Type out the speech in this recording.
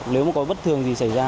nếu có bất thường gì xảy ra